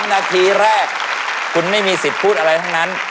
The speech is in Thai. นาทีแรกคุณไม่มีสิทธิ์พูดอะไรทั้งนั้น